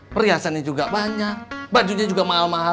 perhiasannya juga banyak bajunya juga mahal mahal